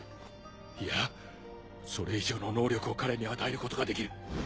いやそれ以上の能力を彼に与えることができる。